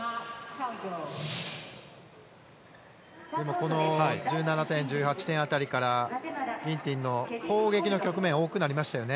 この１７対１８点辺りからギンティンの攻撃の局面が多くなりましたよね。